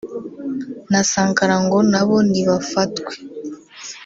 na Sankara ngo nabo nibafatwe